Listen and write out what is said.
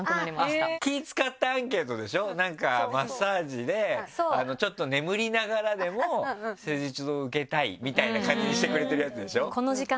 マッサージでちょっと眠りながらでも施術を受けたいみたいな感じにしてくれてるやつでしょ。